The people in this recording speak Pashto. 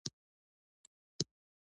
اخیستلی شي له حق سره ټکر څوک.